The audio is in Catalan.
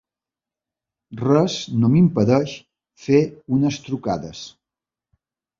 Res no m'impedeix fer unes trucades.